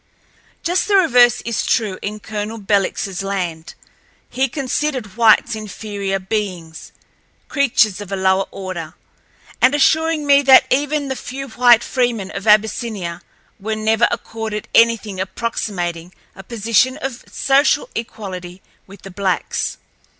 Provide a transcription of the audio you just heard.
Just the reverse is true in Colonel Belikl's land. He considered whites inferior beings, creatures of a lower order, and assured me that even the few white freemen of Abyssinia were never accorded anything approximating a position of social equality with the blacks.